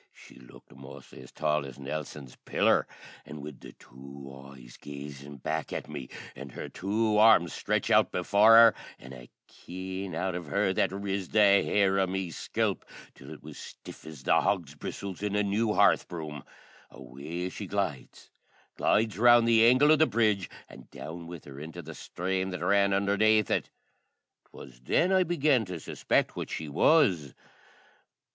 she looked mostly as tall as Nelson's Pillar; an' wid the two eyes gazin' back at me, an' her two arms stretched out before hor, an' a keine out of her that riz the hair o' me scalp till it was as stiff as the hog's bristles in a new hearth broom, away she glides glides round the angle o' the brudge, an' down with her into the sthrame that ran undhernaith it. 'Twas then I began to suspect what she was.